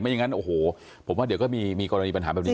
อย่างนั้นโอ้โหผมว่าเดี๋ยวก็มีกรณีปัญหาแบบนี้